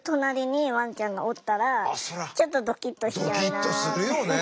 ドキッとするよね。